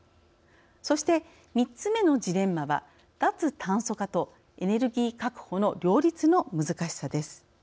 そして３つ目のジレンマは「脱炭素化とエネルギー確保の両立の難しさ」です。